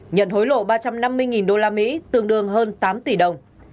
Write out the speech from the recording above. nhận hối lộ ba trăm năm mươi usd tương đương hơn tám tỷ đồng